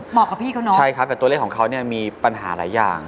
กับพี่เขาเนาะใช่ครับแต่ตัวเลขของเขาเนี่ยมีปัญหาหลายอย่าง